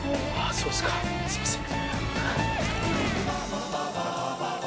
そうですかすいません。